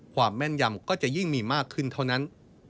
แม่นยำก็จะยิ่งมีมากขึ้นเท่านั้น